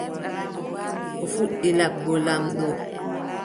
O fuɗɗi laɓgo laamɗo.